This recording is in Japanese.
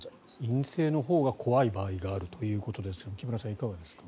陰性のほうが怖い場合があるということですが木村さん、いかがですか？